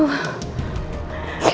oh ya allah